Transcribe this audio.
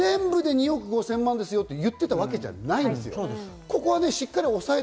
全部で２億５０００万円ですよと言っていたわけじゃないですよ。